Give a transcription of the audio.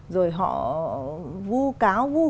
rồi họ vu cáo vu khóa